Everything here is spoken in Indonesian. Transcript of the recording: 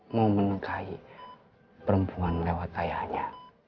mau melukai perempuan lewat ayahnya